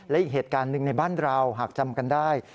และอีกเหตุการณ์หนึ่งในบ้านเราหากจำกันได้